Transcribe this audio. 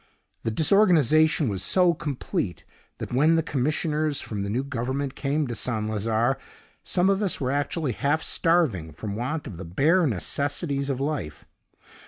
The disorganization was so complete, that when the commissioners from the new Government came to St. Lazare, some of us were actually half starving from want of the bare necessities of life.